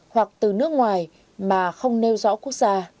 hoặc từ nước ngoài mà không nêu rõ quốc gia